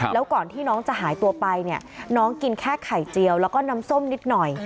แล้วก่อนที่น้องจะหายตัวไปเนี่ยน้องกินแค่ไข่เจียวแล้วก็น้ำส้มนิดหน่อย